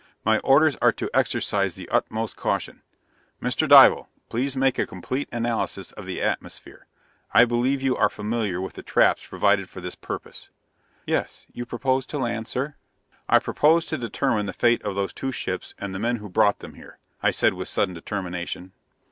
"My orders are to exercise the utmost caution. Mr. Dival, please make a complete analysis of the atmosphere. I believe you are familiar with the traps provided for the purpose?" "Yes. You propose to land, sir?" "I propose to determine the fate of those two ships and the men who brought them here," I said with sudden determination.